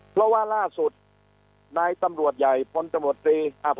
เพราะว่าล่าสุดนายตำรวจใหญ่พลตำรวจตรี